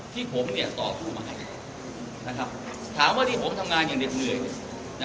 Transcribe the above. ที่ผมเนี่ยต่อสู้มากันนะครับถามว่าที่ผมทำงานอย่างเด็ดเหนื่อย